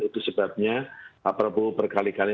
itu sebabnya pak prabowo berkali kali